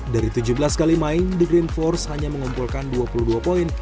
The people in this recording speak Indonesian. dari tujuh belas kali main the green force hanya mengumpulkan dua puluh dua poin